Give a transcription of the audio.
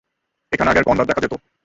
এখানে আগে গণ্ডার দেখা যেত।